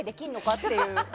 っていう。